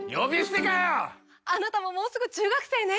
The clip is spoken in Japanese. あなたももうすぐ中学生ね！